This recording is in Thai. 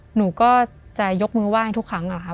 หนูก็จะยกมือว่ายทุกครั้งอะครับ